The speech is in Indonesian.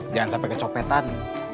jangan sampai kecopetan